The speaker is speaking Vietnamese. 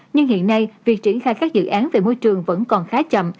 nhưng hiện nay việc triển khai các dự án về môi trường vẫn còn khá chậm